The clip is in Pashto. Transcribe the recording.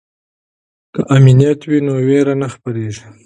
که امنیت وي نو ویره نه خپریږي.